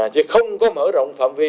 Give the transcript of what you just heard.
chứ không có mở rộng phạm vi